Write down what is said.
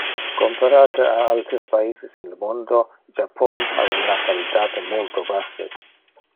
Comparate a altere paises in le mundo, Japon ha un natalitate multo basse.